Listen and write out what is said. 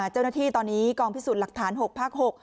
เจ้าหน้าที่ตอนนี้กองพิสูจน์หลักฐาน๖ภาค๖